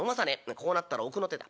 こうなったら奥の手だ。